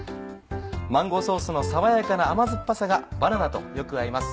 マンゴーソースの爽やかな甘酸っぱさがバナナとよく合います